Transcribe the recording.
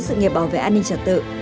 sự nghiệp bảo vệ an ninh trật tự